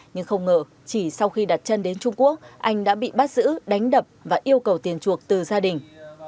nhưng không ngờ chỉ sau khi đặt chân đến trung quốc anh đã bị bắt giữ đánh đập và yêu cầu tiền chuộc từ gia đình